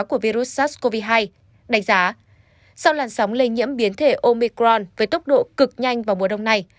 trong khi không loại trừ khóa của virus sars cov hai đánh giá sau làn sóng lây nhiễm biến thể omicron với tốc độ cực nhanh vào mùa đông này